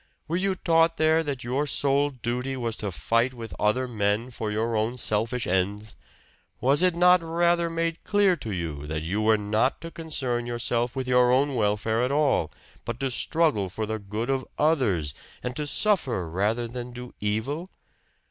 Were you taught there that your sole duty was to fight with other men for your own selfish ends? Was it not rather made clear to you that you were not to concern yourself with your own welfare at all, but to struggle for the good of others, and to suffer rather than do evil?